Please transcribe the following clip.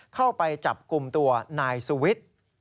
เข้าไปจับกลุ่มตัวนายสุวิทย์